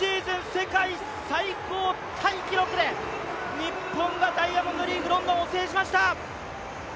世界最高タイ記録で日本がダイヤモンドリーグロンドンを制しました！